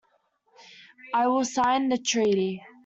I will sign the treaty.